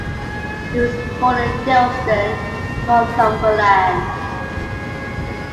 He was born in Dilston, Northumberland.